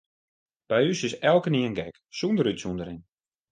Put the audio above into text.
By ús is elkenien gek, sûnder útsûndering.